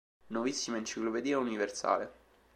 Nuovissima Enciclopedia Universale